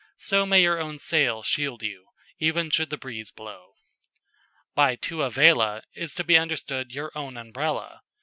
So may your own sail shield you, even should the breeze blow."] By tua vela is to be understood "your own Umbrella."